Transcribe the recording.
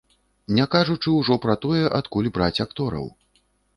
Не кажучы ўжо пра тое, адкуль браць актораў.